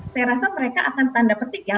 saya rasa mereka akan tanda petik ya